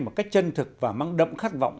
một cách chân thực và mang đậm khát vọng